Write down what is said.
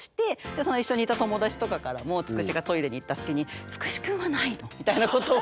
その一緒にいた友達とかからもつくしがトイレに行った隙に「つくし君はないの⁉」みたいなことを。